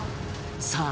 さあ